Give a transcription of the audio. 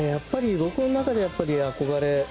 僕の中で憧れ。